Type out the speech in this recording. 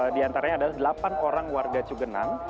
di antaranya adalah delapan orang warga cugenang